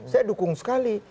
saya dukung sekali